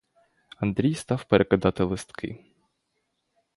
Андрій став перекидати листки.